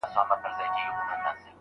د زمان پر مېچن ګرځو له دورانه تر دورانه